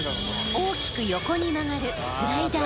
大きく横に曲がるスライダー。